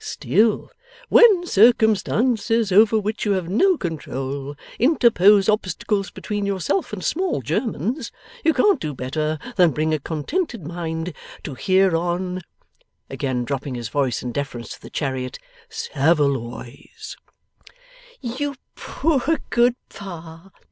'Still, when circumstances over which you have no control, interpose obstacles between yourself and Small Germans, you can't do better than bring a contented mind to hear on' again dropping his voice in deference to the chariot 'Saveloys!' 'You poor good Pa!